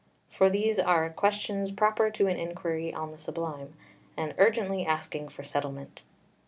For these are questions proper to an inquiry on the Sublime, and urgently asking for settlement.